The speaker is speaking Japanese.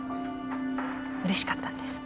うれしかったんです。